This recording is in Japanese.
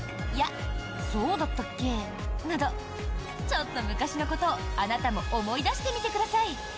やそうだったっけ？などちょっと昔のことを、あなたも思い出してみてください。